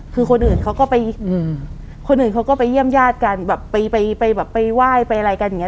คือคนอื่นเขาก็ไปเยี่ยมญาติกันแบบไปไหว้ไปอะไรกันอย่างนี้